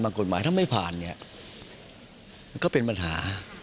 บางกฎหมายถ้าไม่ผ่านก็เป็นปัญหา